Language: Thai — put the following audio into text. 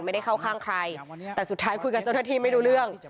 ไม่ได้เข้าข้างใครแต่สุดท้ายคุยกับเจ้าหน้าที่ไม่รู้เรื่อง